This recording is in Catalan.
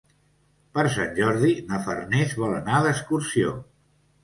Per Sant Jordi na Farners vol anar d'excursió.